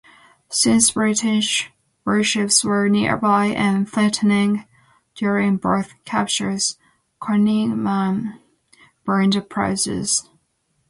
Since British warships were nearby and threatening during both captures, Conyngham burned the prizes.